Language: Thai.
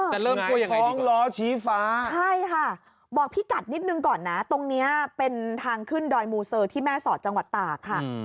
จะเริ่มท้องล้อชี้ฟ้าใช่ค่ะบอกพี่กัดนิดนึงก่อนนะตรงนี้เป็นทางขึ้นดอยมูเซอร์ที่แม่สอดจังหวัดตากค่ะ